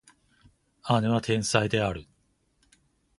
姉は天才である